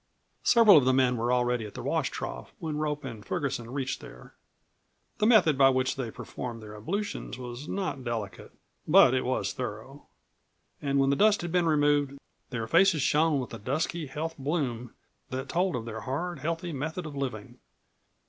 Several of the men were already at the washtrough when Rope and Ferguson reached there. The method by which they performed their ablutions was not delicate, but it was thorough. And when the dust had been removed their faces shone with the dusky health bloom that told of their hard, healthy method of living.